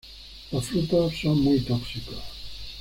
Los frutos son muy tóxicos.